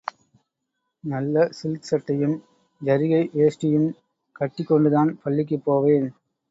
நல்ல சில்க் சட்டையும், ஜரிகை வேஷ்டியும் கட்டிக்கொண்டுதான் பள்ளிக்குப் போவேன்.